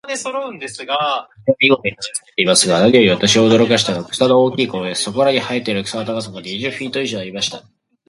土地は見事に耕されていますが、何より私を驚かしたのは、草の大きいことです。そこらに生えている草の高さが、二十フィート以上ありました。